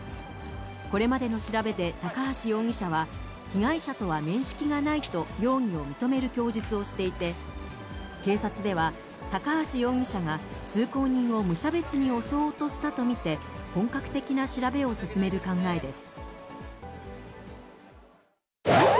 これまでの調べで、高橋容疑者は、被害者とは面識がないと、容疑を認める供述をしていて、警察では高橋容疑者が通行人を無差別に襲おうとしたと見て、本格的な調べを進める考えです。